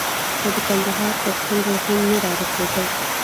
خو د کندهار تر څنډو هم نه را ورسېدل.